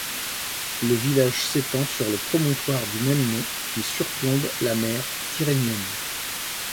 Le village s'étend sur le promontoire du même nom qui surplombe la mer Tyrrhénienne.